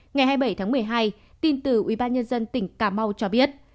ngày hai mươi bảy tháng một mươi hai tin từ ubnd tỉnh cà mau cho biết